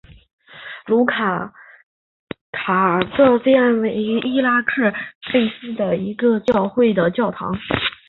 卢茨卡教堂是塞尔维亚首都贝尔格莱德的一座塞尔维亚正教会的教堂。